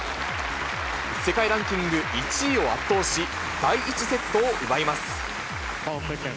世界ランキング１位を圧倒し、第１セットを奪います。